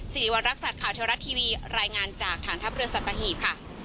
สิริวัณรักษัตริย์ข่าวเทวรัฐทีวีรายงานจากฐานทัพเรือสัตหีบค่ะ